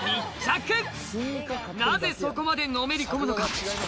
なぜそこまでのめり込むのか？